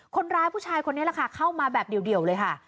คนร้ายผู้ชายคนนี้แหละค่ะเข้ามาแบบเดี่ยวเลยค่ะ